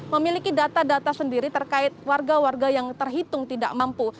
memiliki data data sendiri terkait warga warga yang terhitung tidak mampu